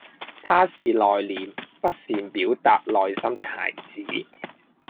他是內歛、不善表逹內心的孩子